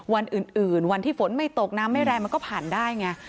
วันอื่นวันที่ฝนไม่ตกน้ำไม่แรงมันก็ผ่านได้ไง